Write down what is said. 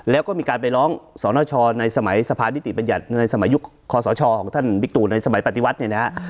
แล้วก็มีการไปร้องสนชในสมัยสภานิติบัญญัติในสมัยยุคคอสชของท่านบิ๊กตูในสมัยปฏิวัติเนี่ยนะฮะ